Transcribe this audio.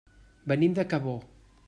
Venim de Cabó.